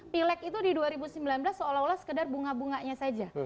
pileg itu di dua ribu sembilan belas seolah olah sekedar bunga bunganya saja